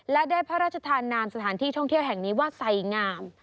และได้พระราชทานนามสถานที่ท่องเที่ยวแห่งนี้ว่าใส่งาม